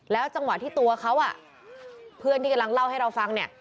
จังหวะที่ตัวเขาเพื่อนที่กำลังเล่าให้เราฟังเนี่ย